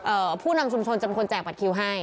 เอ่อผู้นำชุมชนจะมีคนแจกบัตรคิวให้